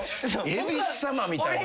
えびすさまみたいな。